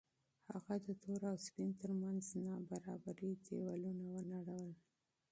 هغه د تور او سپین تر منځ د نابرابرۍ دېوالونه ونړول.